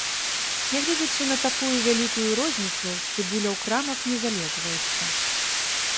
Нягледзячы на такую вялікую розніцу, цыбуля ў крамах не залежваецца.